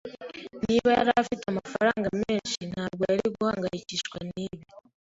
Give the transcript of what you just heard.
Niba yari afite amafaranga menshi, ntabwo yari guhangayikishwa nibi.